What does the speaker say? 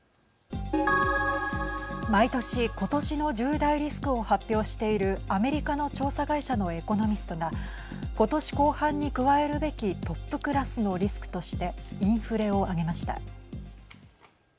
毎年、ことしの１０大リスクを発表しているアメリカの調査会社のエコノミストがことし後半に加えるべきトップクラスのリスクとしてインフレを挙げました。